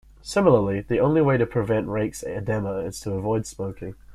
Similarly, the only way to prevent Reinke's edema is to avoid smoking.